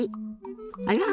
あら？